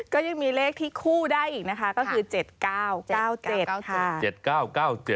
ก็ยังมีเลขที่คู่ได้อีกนะคะก็คือ๗๙๙๗๙๙๗